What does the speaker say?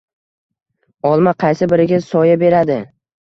Olma qaysi biriga soya beradi?